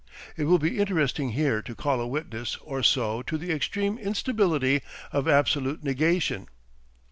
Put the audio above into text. It will be interesting here to call a witness or so to the extreme instability of absolute negation.